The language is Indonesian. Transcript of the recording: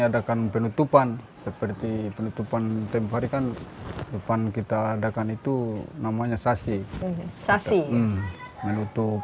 adakan penutupan seperti penutupan tempur ikan depan kita adakan itu namanya sasi sasi menutup